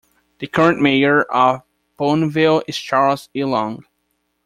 The current mayor of Booneville is Charles E. Long.